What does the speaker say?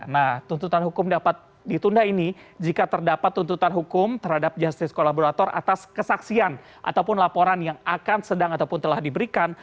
nah tuntutan hukum dapat ditunda ini jika terdapat tuntutan hukum terhadap justice kolaborator atas kesaksian ataupun laporan yang akan sedang ataupun telah diberikan